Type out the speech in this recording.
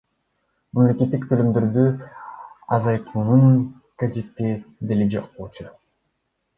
Мамлекеттик төлөмдөрдү азайтуунун кажети деле жок болчу.